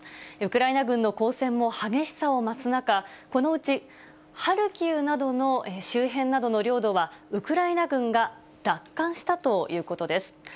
ウクライナ軍の交戦も激しさを増す中、このうちハルキウなどの周辺などの領土は、ウクライナ軍が奪還したということです。